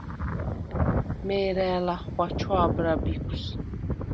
მე̄რა̄̈ლ ახღუ̂ა ჩუ̂ა̄ბრა ბიქუ̂ს.